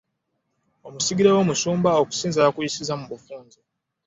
Omusigire w'omusumba okusinza yakuyisizza mu bufunze.